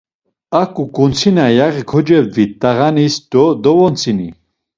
A ǩuǩuntsina yaği kocebdvi t̆iğanis do dovontzini.